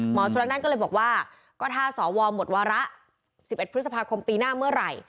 ชนนั่นก็เลยบอกว่าก็ถ้าสวหมดวาระ๑๑พฤษภาคมปีหน้าเมื่อไหร่